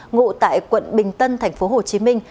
ngụ tại quận bình tân thành phố hồ chí minh